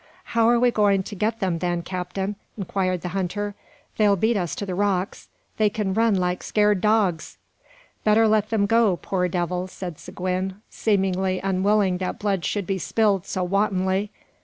"How are we goin' to get them, then, captain?" inquired the hunter. "They'll beat us to the rocks; they kin run like scared dogs." "Better let them go, poor devils!" said Seguin, seemingly unwilling that blood should be spilled so wantonly.